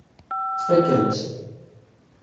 Tfakk-am-tt.